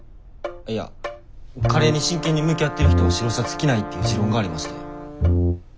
いやカレーに真剣に向き合ってる人は白シャツ着ないっていう持論がありまして。